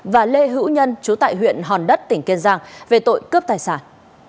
và lê hữu nhân chú tại huyện hòn đất tỉnh kiên giang về tội cướp tài sản